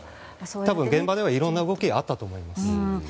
多分、現場ではいろんな動きがあったと思います。